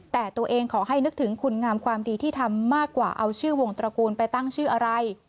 แต่ตัวเองขอให้นึกถึงคุณงามความดีที่ทำมากกว่าเอาชื่อวงตระกูลไปตั้งชื่ออะไร